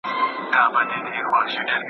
آيا سياست يوازي د واک ترلاسه کولو لپاره دی؟